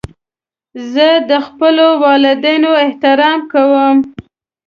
زه د خپلو والدینو احترام کوم.